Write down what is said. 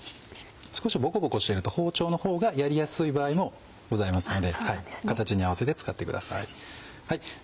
少しボコボコしてると包丁のほうがやりやすい場合もございますので形に合わせて使ってください。